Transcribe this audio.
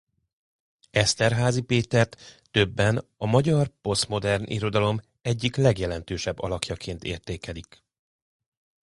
Esterházy Pétert többen a magyar posztmodern irodalom egyik legjelentősebb alakjaként értékelik.